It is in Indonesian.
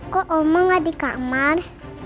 kok omong gak di kamar